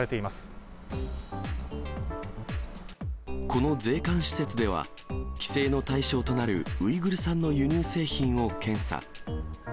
この税関施設では、規制の対象となるウイグル産の輸入製品を検査。